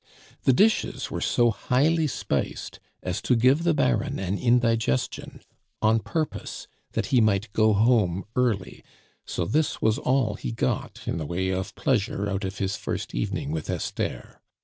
The dishes were so highly spiced as to give the Baron an indigestion, on purpose that he might go home early; so this was all he got in the way of pleasure out of his first evening with Esther.